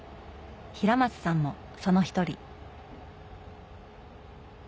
平松さんもその一人。